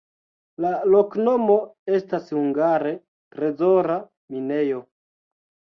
La loknomo estas hungare trezora-minejo.